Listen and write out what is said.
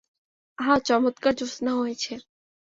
আহা, চমৎকার জ্যোৎস্না হয়েছে।